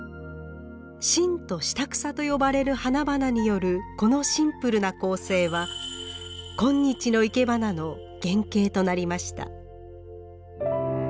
真と下草と呼ばれる花々によるこのシンプルな構成は今日のいけばなの原型となりました。